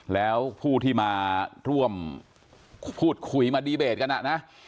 แล้วผู้ที่มาร่วมพูดคุยมาดีเบตกันนะ